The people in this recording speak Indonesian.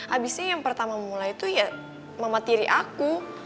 abisnya yang pertama mulai tuh ya mama tiri aku